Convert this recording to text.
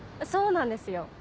そうなんですよ